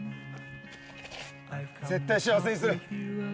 絶対幸せにする！